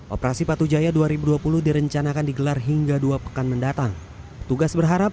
operasi patu jaya dua ribu dua puluh direncanakan digelar hingga dua pekan mendatang tugas berharap